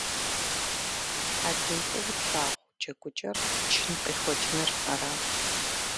Адрей фӀыуэ тлъагъу джэгукӀэр чын къехуэкӀыныр арат.